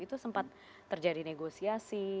itu sempat terjadi negosiasi